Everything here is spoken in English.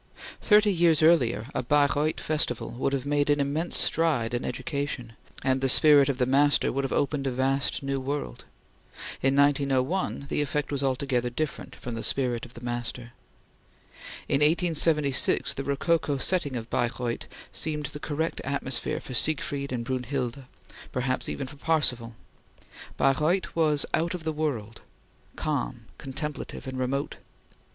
Thirty years earlier, a Baireuth festival would have made an immense stride in education, and the spirit of the master would have opened a vast new world. In 1901 the effect was altogether different from the spirit of the master. In 1876 the rococo setting of Baireuth seemed the correct atmosphere for Siegfried and Brunhilde, perhaps even for Parsifal. Baireuth was out of the world, calm, contemplative, and remote.